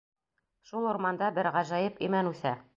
Шул урманда бер ғәжәйеп имән үҫә.